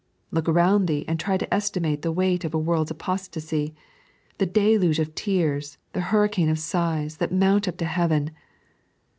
Look around thee, and try to estimate the weight of a world's apostasy, the deluge of tears, the hurricane of sighs, that mount up to heaven.